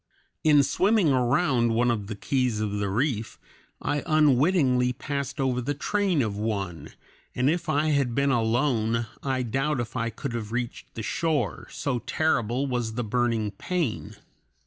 In swimming around one of the keys of the reef I unwittingly passed over the train of one, and if I had been alone, I doubt if I could have reached the shore, so terrible was the burning pain.